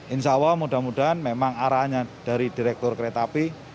insya allah mudah mudahan memang arahnya dari direktur kereta api